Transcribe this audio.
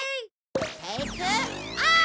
テイクオフ！